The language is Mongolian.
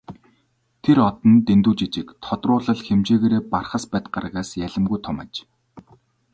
Тэр од нь дэндүү жижиг, тодруулбал хэмжээгээрээ Бархасбадь гаригаас ялимгүй том аж.